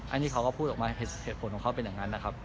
อันนี้เขาก็พูดออกมาเหตุผลของเขาเป็นอย่างนั้นนะครับ